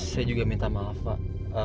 saya juga minta maaf pak